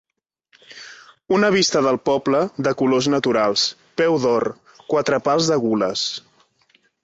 Una vista del poble, de colors naturals; peu d'or, quatre pals de gules.